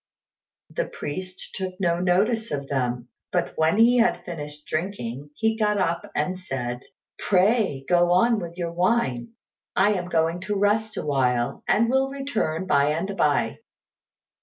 The priest took no notice of them; but when he had finished drinking, he got up and said, "Pray, go on with your wine; I am going to rest awhile, and will return by and by."